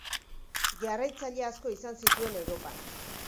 Jarraitzaile asko izan zituen Europan.